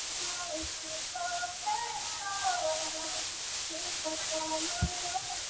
哈里逊温泉原称圣雅丽斯泉其中一个女儿命名。